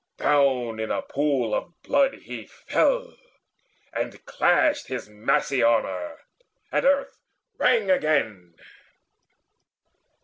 Down in a pool of blood he fell, and clashed His massy armour, and earth rang again.